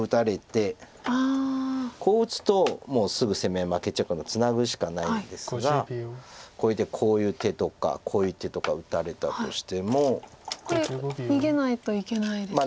こう打つともうすぐ攻め合い負けちゃうからツナぐしかないんですがこれでこういう手とかこういう手とか打たれたとしても。これ逃げないといけないですね。